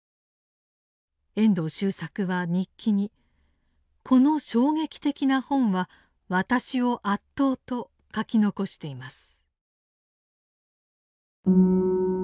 遠藤周作は日記に「この衝撃的な本は私を圧倒」と書き残しています。